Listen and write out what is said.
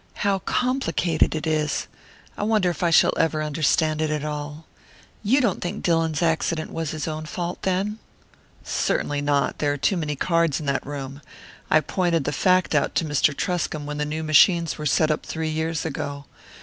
"How complicated it is! I wonder if I shall ever understand it all. You don't think Dillon's accident was his own fault, then?" "Certainly not; there are too many cards in that room. I pointed out the fact to Mr. Truscomb when the new machines were set up three years ago.